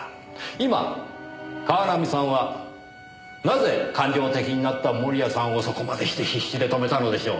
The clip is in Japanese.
今川南さんはなぜ感情的になった盛谷さんをそこまでして必死で止めたのでしょう？